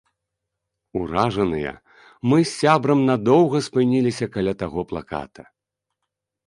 Уражаныя, мы з сябрам надоўга спыніліся каля таго плаката.